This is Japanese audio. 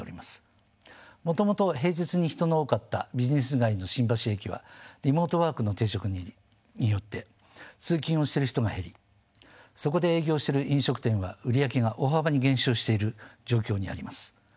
もともと平日に人の多かったビジネス街の新橋駅はリモートワークの定着によって通勤をしてる人が減りそこで営業してる飲食店は売り上げが大幅に減少している状況にあります。